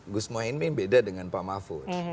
gus mohaimin beda dengan pak mahfud